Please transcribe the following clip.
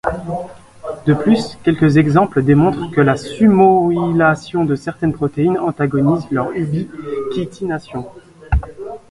De plus, quelques exemples démontrent que la sumoylation de certaines protéines antagonise leur ubiquitination.